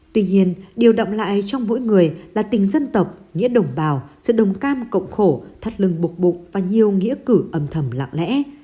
tuy nhiên điều đậm lại trong mỗi người là tình dân tộc nghĩa đồng bào sự đồng cam cộng khổ thắt lưng bục bục và nhiều nghĩa cử âm thầm lạng lẽ